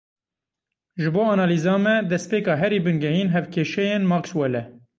Ji bo analîza me destpêka herî bingehîn hevkêşeyên Maxwell e.